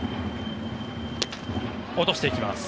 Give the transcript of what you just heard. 落としていきます。